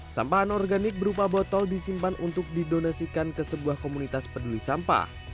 sampah anorganik berupa botol disimpan untuk didonasikan ke sebuah komunitas peduli sampah